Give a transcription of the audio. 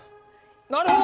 なるほど！